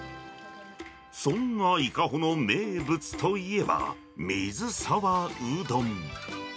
そんな伊香保の名物といえば、水沢うどん。